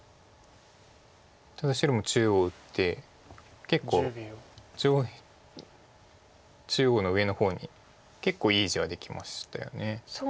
ただ白も中央打って結構中央の上の方に結構いい地はできましたよね。